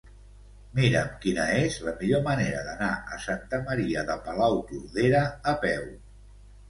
Mira'm quina és la millor manera d'anar a Santa Maria de Palautordera a peu.